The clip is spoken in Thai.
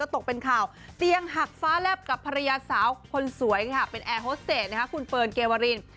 ตกเป็นข่าวเตียงหักฟ้าแลบกับภรรยาสาวคนสวยค่ะเป็นแอร์โฮสเตจคุณเฟิร์นเกวริน